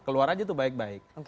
keluar aja tuh baik baik